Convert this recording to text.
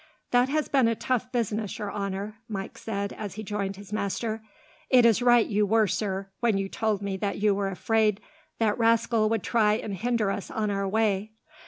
"That has been a tough business, your honour," Mike said, as he joined his master. "It is right you were, sir, when you told me that you were afraid that rascal would try and hinder us on our way.